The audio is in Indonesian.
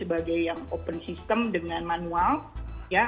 yang dianggap sebagai yang open system dengan manual ya